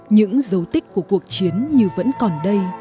những dấu tích của cuộc chiến như vẫn còn đây